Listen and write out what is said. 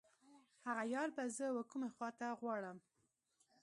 هغه یار به زه و کومې خواته غواړم.